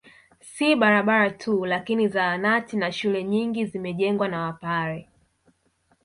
Si barabara tu lakini zahanati na shule nyingi zimejengwa na wapare